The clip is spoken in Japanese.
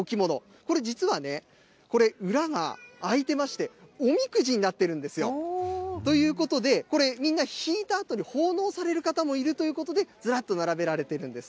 これ、実はね、これ、裏が空いてまして、おみくじになっているんですよ。ということで、これ、みんな引いたあとに奉納される方もいるということで、ずらっと並べられているんです。